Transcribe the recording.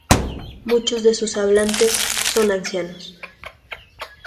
Muchos de sus hablantes son ancianos.